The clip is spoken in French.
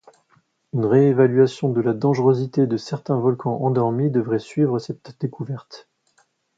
Une réévaluation de la dangerosité de certains volcans endormis devrait suivre cette découverte.